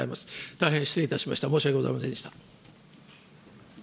大変失礼いたしました、申し訳ございませんでした。